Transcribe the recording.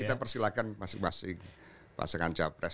kita persilahkan masing masing pasangan cawa pres